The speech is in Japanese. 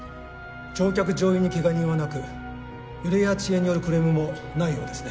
乗客乗員に怪我人はなく揺れや遅延によるクレームもないようですね。